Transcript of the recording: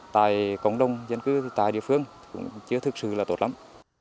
tại cộng đồng dân cư tại địa phương cũng chưa thực sự là tốt lắm